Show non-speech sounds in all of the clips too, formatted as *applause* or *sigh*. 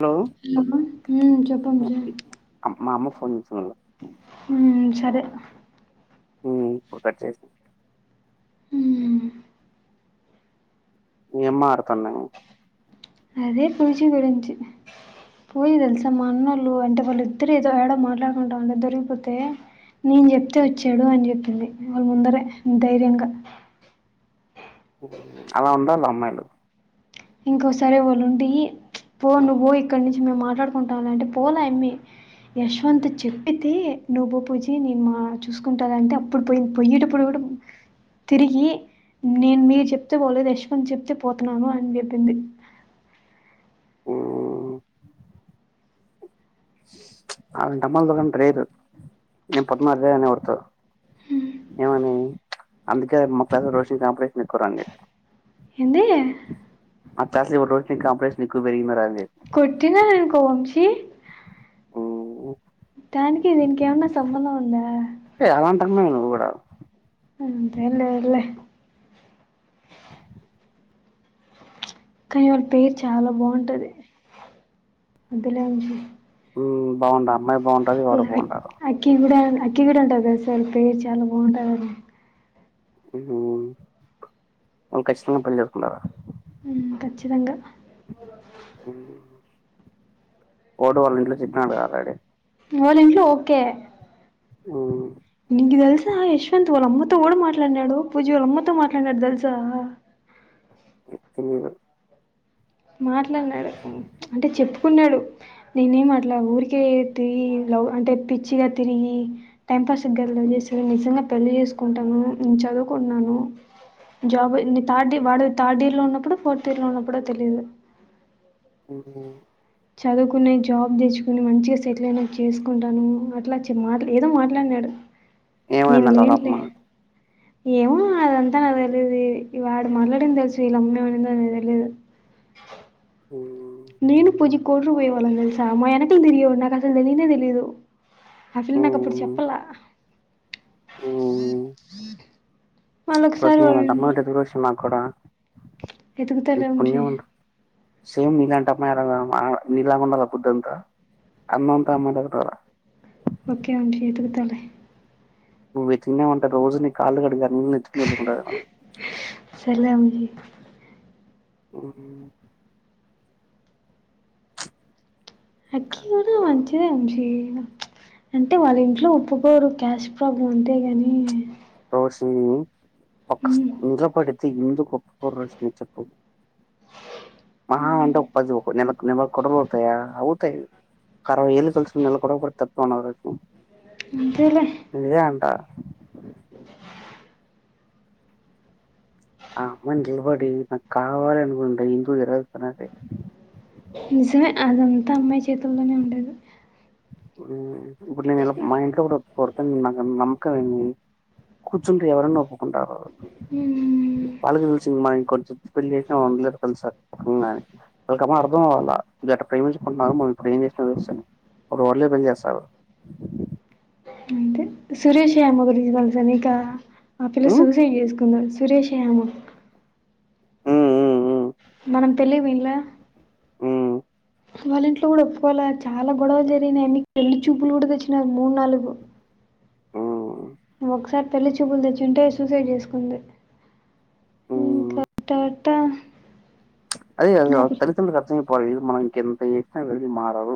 Hello hello ఉమ్ చెప్పంజీ. మా అమ్మకు ఫోన్ చేసినవ నువ్వు. సరే ఉమ్ కట్ చేసి. హ్మ్ నీ అమ్మా ఆర్తున్న. అదే ఫంక్షన్ గురించి. పోయి తెలుసా మా అన్నళ్ళు అంటే వాళ్ళు ఇద్దరు ఏదో ఏడో మాట్లాడుకుంటా ఉంటే దొరికిపోతే. నేను చెప్తే వచ్చాడు అని చెప్పింది వాళ్ళ ముందరే ధైర్యంగా. అలా ఉండాలి అమ్మాయిలు. ఇంకోసారి ఎవళ్ళు ఉంటేయ్ ప్చ్. పో నువ్వు పోవే ఇక్కడ నుంచి మేము మాట్లాడుకుంటాము అంటే పోలే ఎమ్మి. యశ్వంత్ చెప్పితే నువ్వు పో బుజ్జి నేను మా చూసుకుంటారంటే అప్పుడు పోయింది పోయ్యేటప్పుడు కూడా. తిరిగి నేను మీరు చెప్తే పోలేదు యశ్వంత్ చెప్తే పోతున్నాను అని చెప్. *unintelligible* అంతమాత్రం రేర్ నేను పొద్దున్న అదే కనబడుతది. ఏమని అందుకే మొత్తాం రోషన్ కాంపిటీషన్ ఎక్కువరానియన్. ఏంది. అటా ఊర్లోకి *unintelligible* పెరుగినన్నారు కొట్టగా ఉంది కౌంశిక్ ఊమ్ దానికి దీనికి ఏమన్నా సంబంధం ఉందా ఎలాంటనవ్ నువ్వు కూడా ఇంట్లోలేరులే *unintelligible* చాలా బాగుంటది ఇంట్లోనే ఉమ్ బావుందా అక్ అక్కి కూడా అక్కకి కూడా ఉంటంది తెలుస పేరు చాలా బాగుంటది అది ఉహ్మ్ మా కష్టంవుంటుంది అట్లా ఉమ్ ఖచ్చితంగా కోడు వాళ్ళ ఇంట్లో చెప్పినాడు ఆల్రెడీ వాళ్ళ ఇంట్లో ఓకే ఉమ్ నీకు తెలుసా యశ్వంత్ వాళ్ళమ్మతో కూడా మాట్లాడినాడు పూజ వాళ్ళమ్మతో మాట్లాడినాడు తెలుసా ఎప్పుడు మాట్లాడినాడు అంటే చెప్పుకున్నాడు నేనే ఏం మాట్లా ఊరికే తి అంటే పిచ్చిగా తిరిగి టై పాస్ నిజంగా పెళ్లి చేసుకుంటాను చదువుకున్నాను జాబ్ న థర్డ్ వాడ థర్డ్ ఇయర్ లో ఉన్నప్పుడు ఫోర్త్ ఇయర్ లో ఉన్నప్పుడో తెలియదు ఉమ్ చదువుకునే జాబ్ తెచ్చుకుని మంచిగా సెటిల్ అయిన చేసుకుంటాను అట్లా చె మాట్ ఏదో మాట్లాడినాడు ఏమన్న నేను లేనులే కడపమా ఏమో అదంతా నాది తెలిదు వాడు మళ్లాడింది తెలుసు వీళ్ళ అమ్మేమనింద అ తెలిదు ఉమ్. నేను పూజి కోటరు పోయే వాళ్ళం తెలుసా మా వెనకలు తెలియవు నాకు అసలు తెలీయద తెలిదు అమ్ము మాతో అప్పుడు ఉమ్, చెప్పాల వి వి ర అమ్మ ఎ రశమా కూడా ఎదుగుతలే నీకు ఉంచి పుణ్యం ఉండు సేమ్ నీలాంట మ నలాగాండాల బుద్ద్దంత అన్నంత అమ్మనతార ఓకే మంషీతు కతాల నువోచినవ్ అనుకో రోజు నీ కాళ్ళు కడిగ నీళ్ళు నెత్తిన జల్లుకుంటది చలిగవుంది ఉమ్ ఇంకా ఉన్నా మంచి చి అంటే వాళ్ళ ఇంట్లో ఒప్పుకోరు కాస్ట్ ప్రాబ్లమ్ అంటే గాని *unintelligible* ఎందు గొప్ప చెప్పదు మహా అంటే ఒకది ఒక కొతా మాత అవుతాయి కర ఏలు కలిసిన నెల తప్పవ అంతేలే ఇే అంటా ఆ అమ్మ నిలబడి నాకు కావాలి అనుకుంట ఇకో ఎరతునారే నిజమే అదంతా అమ్మాయి చేతుల్లోనే ఉండేది ఇప్పుడు నేను ఎ మా ఇంట్లో కూడా కొడతాను నామ్ కానీ కొంచెం ఎవరైనా ఒప్పుకుంటారు మ్మ్. వాళ్ళకి తెలిసిమా ఇం కొంచెం పెళ్లి చేసినా వందలేదు కలుసా కానీ వాళ్ళకమ్మా అర్ం అవ్వాలా ఇ అట్లా ప్రేమించుకుంటున్నా మనం ఇప్పుడు ఏం చేసిన చస్తాడు రోడ్లే పని చేస్తారు సురేష్ యామ గురించి తెలుసా నీకు. ఆ పిల్ల హ్మ్. సూసైడ్ చేసుకుంది సురేష్ యామ హుహుహ్ మనం పెళ్ళికి పోయిన్లా. హ్మ్. వాళ్ళ ఇంట్లో కూడా ఒప్పుకోలా, చాలా గొడవలు జరిగినాయి. యమ్మి పెళ్లి చూపులు కూడా తెచ్చినారు మూడు నాలుగు. హ్మ్. ఒకసారి పెళ్లి చూపులు తెచ్చుంటే సూసైడ్ చేసుకుంది హ్మ్. ఇంకా ట టా అదే అది తల్లి తండ్రులకు అర్ధం అయిపోవాలె ఇల్లు మనం ఇంకా ఎంత చేశినా వీళ్ళు మా అవు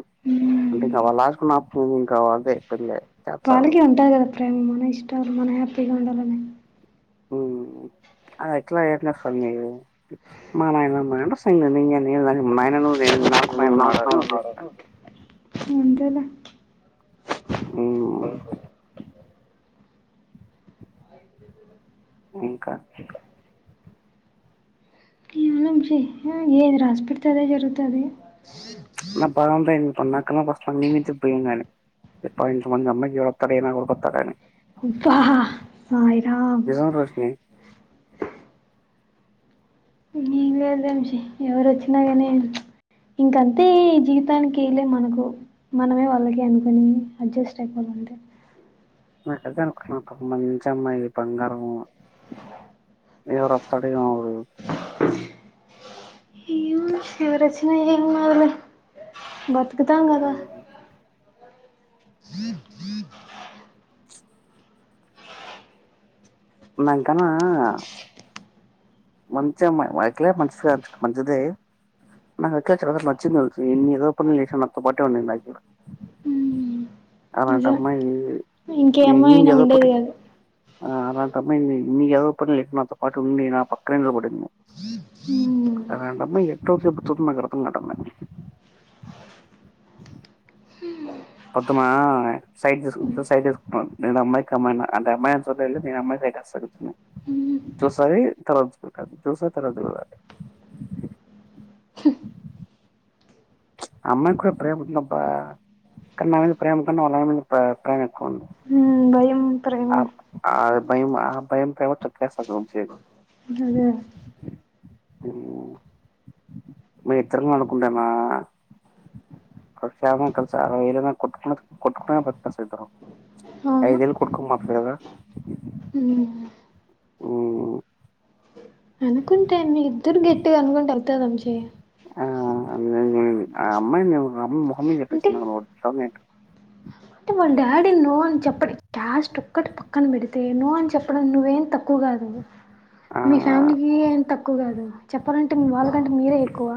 అంటే ఇంకా లాస్టుకున్న అప్షన్ ఎంది ఇంకా అదే పెళ్ళె. వాళ్ళకి ఉంటది కదా ప్రేమ మన ఇష్టం మనం హ్యాపీగా ఉండాలనే. హ్ అది ఎట్లా ఎట్లా ఫన్నీయు మా నాయనమ్మను *unintelligible* మా నాయనను నేను నాకు నాయనున్నాడని భయం ఉంది. ఉన్నాడు అంతేలే ఇంకా ఏమన్నా చేయి ఏది రాసి పెడితే అదే జరుగుతది. నా పనంతా అయి *unintelligible* భయం కానీ ఇప్ప ఇంత మంచి అమ్మాయికి ఎవరత్తాడా ఏ నాకొడుకు వత్తాడా అని. అబ్బా సాయి రామ్. నిజం రోషిని ఏం లేదు వంశీ ఎవరు వచ్చినా కానీ ఇంకంతే ఈ జీవితానికి ఏంలేదు మనకు మనమే వాళ్ళకి అనుకుని అడ్జస్ట్ అయిపోలా. అంటే నాకు అది కాదు ఆ మంచి అమ్మాయి బంగారము. ఏ వరత్తడో ఎమో వరు ఏ వరచ్చినా ఏం కాదులే బతుకు తాంకదా. The the ఉన్నంకనా. మంచి అమ్మాయి ఎట్లయినా మంచిస మంచిదే. నా అక్కా చ నచ్చింది ఒకటి ఎన్ని ఎదవ పనులు చేసినా నాతో పాటే ఉండింది. లైఫ్‌లో. హ్మ్ అలాంటి నిజం అమ్మాయి ఇ ఇంకేమో ఉ అయినా ఎదవ ఉండేది పక్కన కాదు. ఆ అలాంటి అమ్మాయి ఇన్ని ఇన్ని ఎదవ పనులు చేసినా నాతో పాటు ఉండి నా పక్కనే నిలబడింది. హ్మ్ అలాంటి అమ్మాయి ఎక్కడో చోట తోటల్ నాకు అర్ధంకావటంలే మొత్తమా సైడ్ తీసు సైట్ ఎసుకున్నరు. నేను అమ్మాయికి మ్మాయి అంటే అమ్మాయి సైట్ ఎయలే నేను అమ్మాయికి సైట్ ఎస్తా కూర్చున్నా. చూస్తాది తరువాత చూడదు. చూస్తది తర్వాత చూడదు *inaudible* అమ్మాయికి కూడా ప్రేమ ఉంది అబ్బా కని నా మీద ప్రేమ కన్నా వాళ్ల నాన్నా మీద ప్ర ప్రేమ ఎక్కువ. ఉంది హ్ భయం, ప్రేమ ఆ- ఆ భయం ఆ భయం ప్రేమ తొక్కేస్తది వంశీ అది. అదే ఆ మేత్ర ననుకుంటనా. అల్లా ప్యామిలిని కల్సా అల్లు ఎదైనా కొట్టుకున్నా కొట్టుకున్నా కొట్కున్నా కల్స్ పోతరు. ఐదేళ్ల్ కొట్కు మాఫ అదా ఉ హ్ అనుకుంటే ఇద్దరు గట్టిగా అనుకుంటే అవుతది వంశీ. ఆ *unintelligible* ఆ అమ్మాయి నా మొహం మీద అంటే చేప్పేసింది నాకు నువు వద్దు చాలా నీట్గా అంటే వాళ్ళ డాడీ నో అని చెప్పడు క్యాస్ట్ ఒక్కటి పక్కన పెడితే నో అని చెప్పడం నువ్వేం తక్కువగా దు అండి. ఆ! మీ ఫ్యామిలీకి ఏం తక్కువ కాదు. చెప్పాలంటే వాళ్ళకంటే మీరే ఎక్కువ.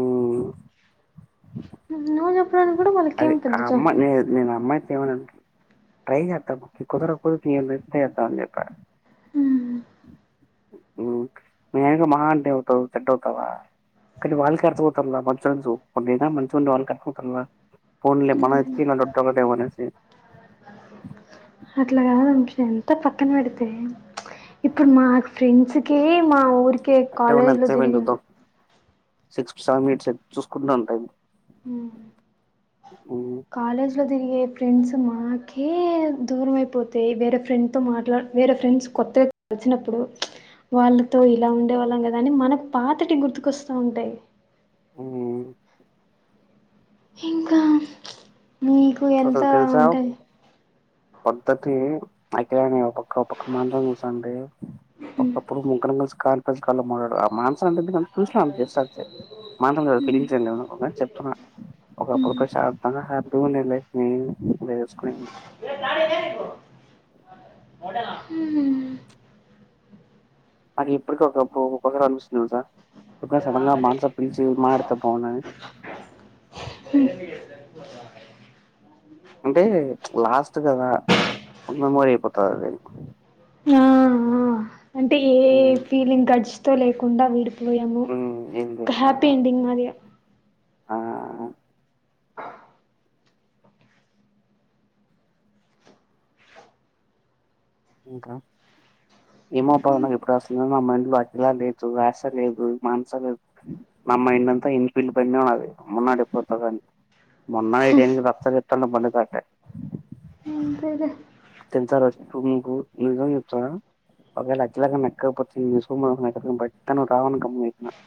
ఉం ను జేప్పు అదే ఆ అమ్మ నేను అమ్మాయి ట్రై చే కుదర కుదు ఇస్త చేస్తా అని చెప్పారు *unintelligible* హు హమ్ ఉం మీ ఆయనతో మహా అంటే ఏమ్ అవుతవ్ చెడ్డ అవుతావ కానీ వాళ్ళకి అర్థపోతారు మంచి చద మంచిగా ఉండి వాళ్ళకి అర్థపోతతుారు *unintelligible* ఫన్లే మనజ తలడ్ ట టవనేసి అట్లా *unintelligible* కాదు అంశ ఎంత పక్కన పెడితే ఇప్పుడు మా ఫ్రెండ్స్ కి మా ఊరికి కే కాలేజ్ లో తిరిగింది సిక్స్ సా మినిట్స్ చూసుకుంటున్నాను టైమ్ హమ్ కాలేజ్ లో తిరిగే ఫ్రెండ్స్ మాకే దూరం అయిపోతే వేరే ఫ్రెండ్ తో మాట్లా వేరే ఫ్రెండ్స్ కొత్త వచ్చినప్పుడు వాళ్ళతో ఇలా ఉండేవాళ్ళం కదా అని మనకు పాతటి గుర్తుకొస్తా ఉంటాయి ఉం ఇంకా మీకు ఎంత ఉంటాది పద్ధతి అఖిల నే ఒక్క మాంత్రం చూసండి ఒకప్పుడు ముగ్గురంసి కాన్ప క ఆం *unintelligible* చూషస్త *unintelligible* మాత్రం ఫిలి మ్మ్. చెప్తున్నా ఒకప్పుడు మ్మ్. శాంగా హ్యాపీగాం *unintelligible* లే *unintelligible* ఉం మరి ఇప్పటిక ఒక ఒ ఒకొసనిస్తుినవుసా *unintelligible* ఇ *unintelligible* సడంగాగా మానస ప్రిీచీ మా ఎతే పోను *inaudible* అంటే లాస్ట్ కదా మెమోరీ అయిపోతది అది ఆ ఆ అంటే ఏ ఫీలింగ్ గడిచితో లేకుండా వీ డు ఎమో మ్మ్ ఏంది ఒక ఆ హ్యాపీ ఎండింగ్ మాది ఇగ ఆ ఆ *unintelligible* ఇంకా ఏమో పవను ఎప్పుడు వస్తానో మా మైండ్ లో అకిలా లేదు వేస్య లేదు మానస లేదు నా మైండ్ అంతా ఇన్ఫిల్ పైన ఉన్నది మున్నాడిపోతదం మున్నాడి ఏం రసగిట్టల బందాక *unintelligible* అంతేలే *unintelligible* ఒకవేళ అజ్లగా నక్కకపోచ్చ బట్టను రావ కమ్ *unintelligible*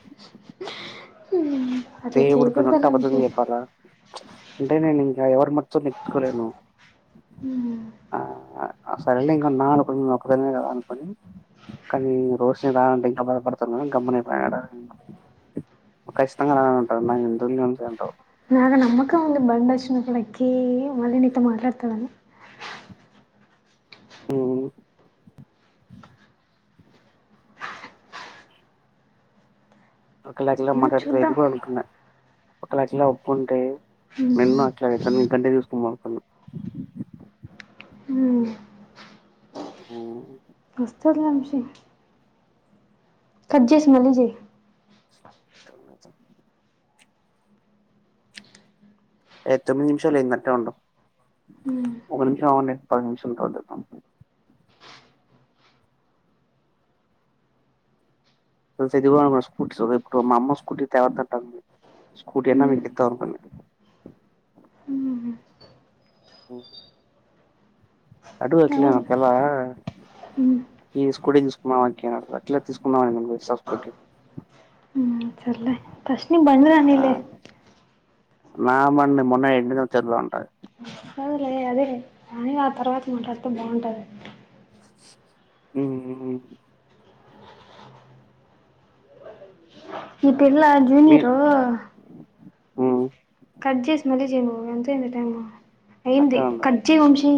అట్లా దేవుడి పైన ఒట్టు చేయకూడదులే వంశీ అబద్దం చెప్పాలా అంటే నేను ఇంకా ఎవరి మొత్తం నెచుకోలేను ఆ *unintelligible* సరేలే ఇంక అన్న అనుకోని నే ఒక్క దాన్నే రా అనుకోని కానీ రోజునే రాాలంటే ఇంకా బాధపడతారు కదా గమ్మనపోడ *unintelligible* కఖష్టంగా *unintelligible* ఉంటారు నా ఎందుతువుల నుంచి ఉంటాారు నాకు నమ్మకం వుంది బండి వచ్చినపుడు ఎక్కి మళ్ళీ నీతో మాట్లాడత దని ఉం ఒక లక్షలా ఏమో మాట్లాడుత ఇది చూద్దాం కూడా అనుకున్న ఒక లక్షలా ఒప్పుంటే నెన్ను ఆ ఆయితను గంటే తీసుకొ మతాను *unintelligible* ఉం బో వస్తదిలే వంశీ కట్ చేసి మళ్లీ చెయ్ తె ఏ తొమిది నిమిషం అయింది అట్లనే ఉండు ఒక నిమిషం ఆవుండే పది నిమిషాల తర్వాత చెప్తా చది స్కూటీ ఇప్పుడు మా అమ్మ స్కూటీ దేవద్దంటారు స్కూటీయానా *unintelligible* ఉ అడుగుక్లే అవును పిల్ల మ్మ్ ఈ స్కూటీ తీసుకున్నాంక అ అట్లా తీసుకుందాంస్ ఉ సర్లే బండి రాని లే నామండి మొన్న ఇంటిక చదువు ఉంటాయి సరేలే అదే కానీ ఆ తర్వాత మాట్లాడితే బాగుంటది ఉఉ ఈ పిల్ల జూనియరు ఉ కట్ చేసి మళ్లీ చెయ్ ఎంతయింది అట్టే ఉండు టైము